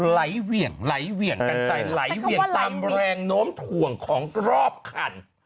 ไหลเหวี่ยงไหลเหวี่ยงกันใจไหลเหวี่ยงตามแรงโน้มถ่วงของรอบคัน